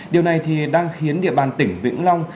điều này đang khiến địa bàn tỉnh vĩnh long